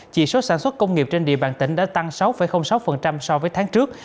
chỉ số sản xuất công nghiệp trên địa bàn tỉnh đã tăng sáu sáu so với tháng trước